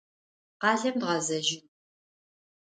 Khalem dğezejın.